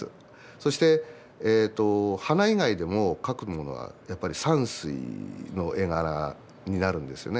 そして花以外でも描くものはやっぱり山水の絵柄になるんですよね。